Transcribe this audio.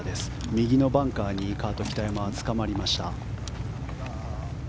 右のバンカーにカート・キタヤマつかまりました。